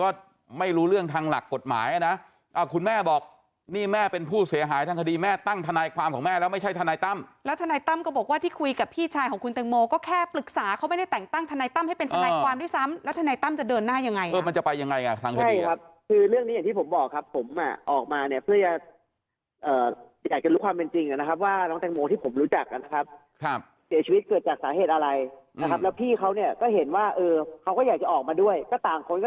ดูเรื่องทางหลักกฎหมายนะคุณแม่บอกนี่แม่เป็นผู้เสียหายทางคดีแม่ตั้งทนายความของแม่แล้วไม่ใช่ทนายตั้มแล้วทนายตั้มก็บอกว่าที่คุยกับพี่ชายของคุณแต่งโมก็แค่ปรึกษาเขาไม่ได้แต่งตั้งทนายตั้มให้เป็นทนายความที่ซ้ำแล้วทนายตั้มจะเดินหน้ายังไงครับมันจะไปยังไงอ่ะทางคดีครับคือเรื่องนี้อย่างที่ผมบอกครั